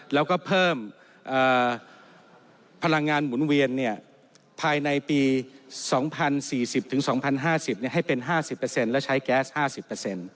แล้วก็เพิ่มพลังงานหมุนเวียนภายในปี๒๐๔๐๒๐๕๐ให้เป็น๕๐และใช้แก๊ส๕๐